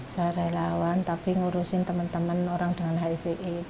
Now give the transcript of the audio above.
saya relawan tapi ngurusin teman teman orang dengan hiv aid